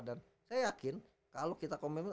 dan saya yakin kalo kita komitmen